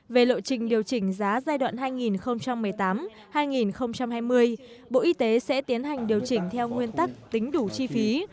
về lộ trình điều chỉnh giá giai đoạn hai nghìn một mươi tám hai nghìn hai mươi bộ y tế sẽ tiến hành điều chỉnh theo nguyên tắc tính đủ chi phí